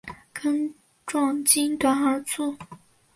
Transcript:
根状茎短而粗。